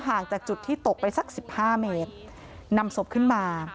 จากจุดที่ตกไปสักสิบห้าเมตรนำศพขึ้นมา